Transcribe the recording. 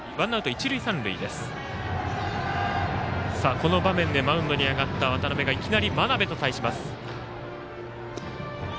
この場面でマウンドに上がった渡邉がいきなり真鍋と対します。